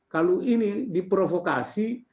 kalau ini diprovokasi